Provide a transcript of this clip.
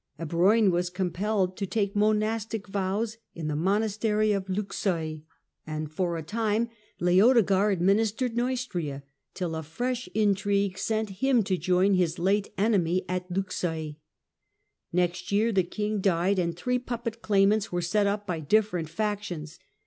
Ebroin was compelled to take monastic vows in the monastery of Luxeuil, and for a time 100 THE DAWN OF MEDIEVAL EUROPE Leodegar administered Neustria, till a fresh intrigue sent him to join his late enemy at Luxeuil. Next year the king died, and three puppet claimants were set up by different factions.